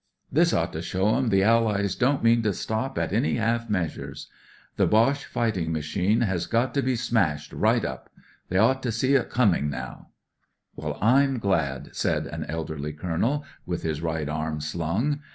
This ought to show 'em the Allies don't mean to stop at any half measures. The Boche fighting machine has got to i( ii 284 ON THE WAY TO LONDON be smashed right up. They ought to see it coming, now." "WeU, I'm glad," said an elderly Colonel, with his right arm slung.